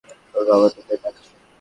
তোর বাবা তোকে ডাকছে!